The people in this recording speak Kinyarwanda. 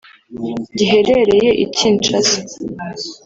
giherereye i Kinshasa